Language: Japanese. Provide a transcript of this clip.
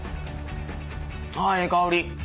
あええ香り！